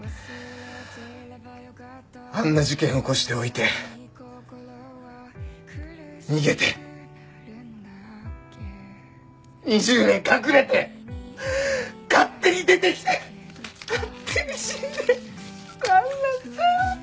あんな事件起こしておいて逃げて２０年隠れて勝手に出てきて勝手に死んでなんなんだよ！